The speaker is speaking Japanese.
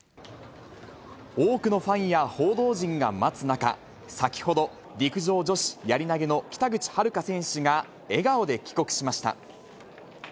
多くのファンや報道陣が待つ中、先ほど、陸上女子やり投げの北口榛花選手が、笑顔で帰国しました。